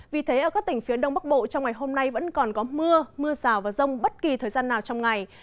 vì thế ở các tỉnh phía đông bắc bộ trong ngày hôm nay vẫn còn có mưa mưa rào và rông bất kỳ thời gian nào trong ngày